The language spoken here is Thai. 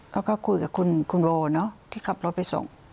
แล้วก็คุยกับคุณโบอลแล้วเนอะที่ขับรถไปส่ง